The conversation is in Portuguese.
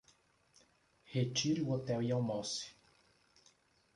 Retire o hotel e almoce